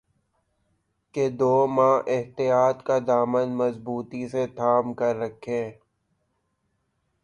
کہ دو ماہ احتیاط کا دامن مضبوطی سے تھام کررکھیں